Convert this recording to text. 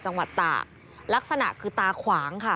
จังหวัดตากลักษณะคือตาขวางค่ะ